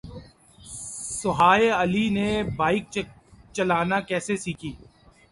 سوہائے علی نے بائیک چلانا کیسے سیکھی